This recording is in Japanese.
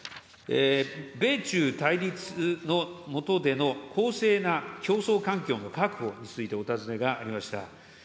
米中対立の下での公正な競争環境の確保についてお尋ねがありました。